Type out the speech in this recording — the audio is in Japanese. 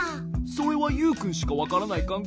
それはユウくんしかわからないかん